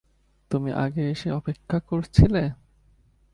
তুমি আগে এসে অপেক্ষা করছিলে?